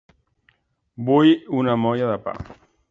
Vull una molla de pa.